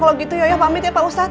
kalau gitu ya pamit ya pak ustadz